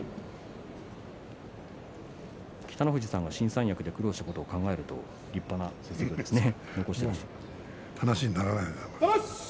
北の富士さんが新三役で苦労したことを考えると話にならない。